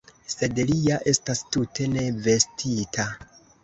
Sed li ja estas tute ne vestita!